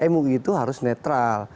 mui itu harus netral